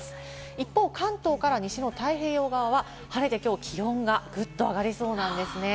一方、関東から西の太平洋側は晴れ、気温がぐっと上がりそうなんですね。